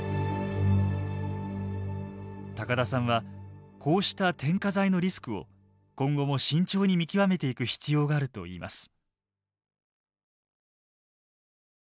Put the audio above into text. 高田さんはこうした添加剤のリスクを今後も慎重に見極めていく必要があるといいます。